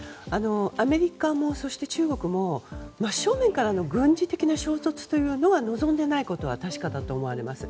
アメリカもそして中国も真っ正面からの軍事的な衝突を望んでいないことは確かだと思います。